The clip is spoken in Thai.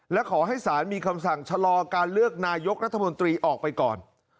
และขอให้ศาลมีคำสั่งชะลอการเลือกนายกรัฐมนตรีออกไปก่อน